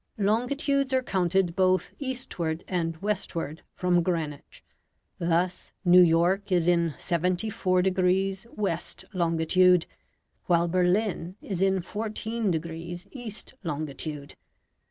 Longitudes are counted both eastward and westward from Greenwich. Thus New York is in 74 degrees west longitude, while Berlin is in 14 degrees east longitude.